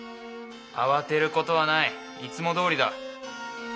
慌てることはない。いつもどおりだ。